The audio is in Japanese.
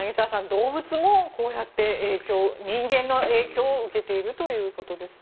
動物もこうやって人間の影響を受けているということですね。